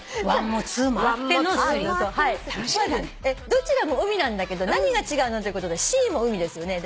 どちらも海なんだけど何が違うの？ということでシーも海ですよね。